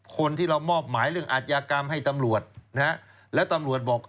คนที่เรามอบหมายเรื่องอาชญากรรมให้ตำรวจนะฮะแล้วตำรวจบอก